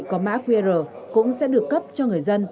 có mã qr cũng sẽ được cấp cho người dân